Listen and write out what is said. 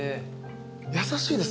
優しいです。